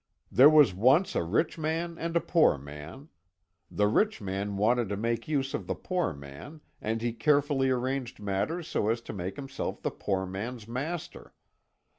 There was once a rich man and a poor man. The rich man wanted to make use of the poor man, and he carefully arranged matters so as to make himself the poor man's master.